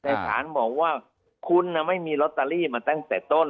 แต่สารบอกว่าคุณไม่มีลอตเตอรี่มาตั้งแต่ต้น